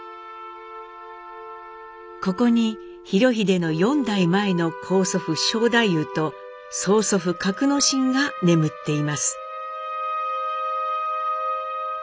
ここに裕英の４代前の高祖父荘太夫と曽祖父覺之進が眠っています。